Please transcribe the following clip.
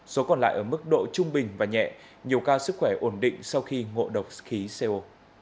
số còn lại ở mức độ trung bình và nhẹ nhiều ca sức khỏe ổn định sau khi ngộ độc khí co